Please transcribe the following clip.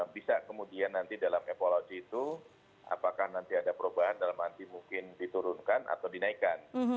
bisa kemudian nanti dalam evaluasi itu apakah nanti ada perubahan dalam arti mungkin diturunkan atau dinaikkan